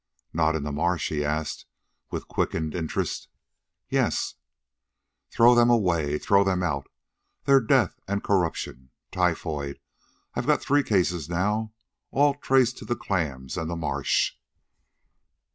"Not in the marsh?" he asked with quickened interest. "Yes." "Throw them away. Throw them out. They're death and corruption. Typhoid I've got three cases now, all traced to the clams and the marsh."